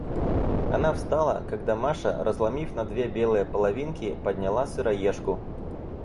Она встала, когда Маша, разломив на две белые половинки, подняла сыроежку.